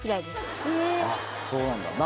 あぁそうなんだ